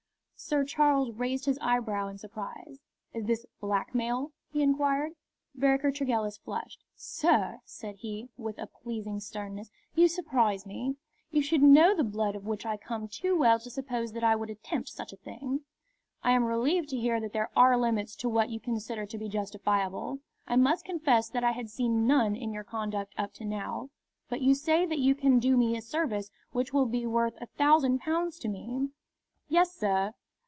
Sir Charles raised his eyebrows in surprise. "Is this blackmail?" he inquired. Vereker Tregellis flushed. "Sir," said he, with a pleasing sternness, "you surprise me. You should know the blood of which I come too well to suppose that I would attempt such a thing." "I am relieved to hear that there are limits to what you consider to be justifiable. I must confess that I had seen none in your conduct up to now. But you say that you can do me a service which will be worth a thousand pounds to me?" "Yes, sir."